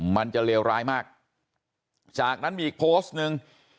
มันจะเลวร้ายมากจากนั้นมีอีกโพสต์หนึ่ง